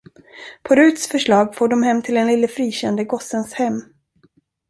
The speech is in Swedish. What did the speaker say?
På Ruts förslag for de till den lille frikände gossens hem.